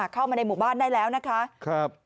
เข้ามาในหมู่บ้านได้แล้วนะคะ